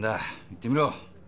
言ってみろ！